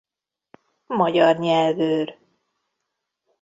Magyar Nyelvőr.